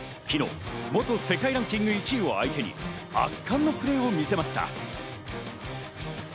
昨日、元世界ランキング１位を相手に圧巻のプレーを見せました。